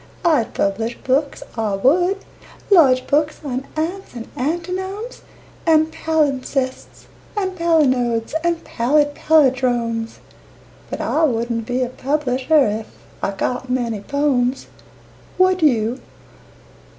I'd publish books, I would large books on ants and antinomes And palimpsests and palinodes and pallid pallindromes: But I wouldn't be a publisher if .... I got many "pomes." Would you?